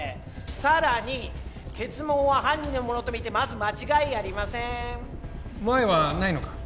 さらに血紋は犯人のものとみてまず間違いありませーん前はないのか？